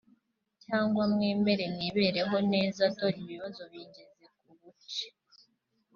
Cyangwa mwemere nibereho neza dore ibibazo bingeze ku buce